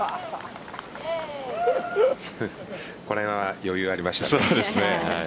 これは余裕ありましたね。